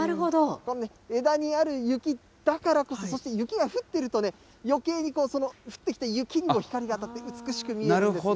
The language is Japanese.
これね、枝にある雪だからこそ、そして雪が降っているとね、余計にその降ってきた雪にも光が当たって、美しく見えるんですね。